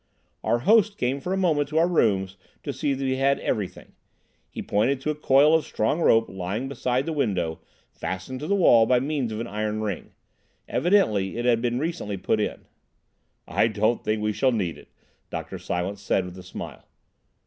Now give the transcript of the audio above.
Our host came for a moment to our rooms to see that we had everything. He pointed to a coil of strong rope lying beside the window, fastened to the wall by means of an iron ring. Evidently it had been recently put in. "I don't think we shall need it," Dr. Silence said, with a smile.